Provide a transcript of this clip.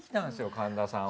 神田さんは。